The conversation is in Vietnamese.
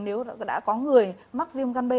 nếu đã có người mắc viêm gan b